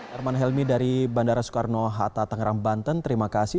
arman helmi dari bandara soekarno hatta tangerang banten terima kasih